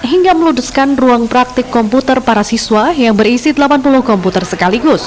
hingga meludeskan ruang praktik komputer para siswa yang berisi delapan puluh komputer sekaligus